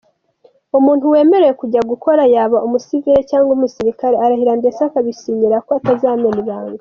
Umuntu wemerewe kujya gukorayo yaba umusivili cyangwa umusirikare ararahira ndetse akabisinyira ko atazamena ibanga.